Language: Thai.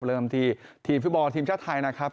เริ่มที่ทีมฟุตบอลทีมชาติไทยนะครับ